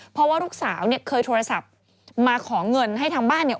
เพราะว่าลูกสาวเนี่ยเคยโทรศัพท์มาขอเงินให้ทางบ้านเนี่ย